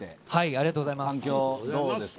ありがとうございます。